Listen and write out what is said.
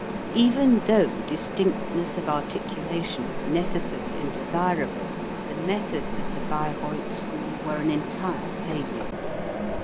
Even though distinctness of articulation is necessary and desirable, the methods of the Bayreuth School were an entire failure.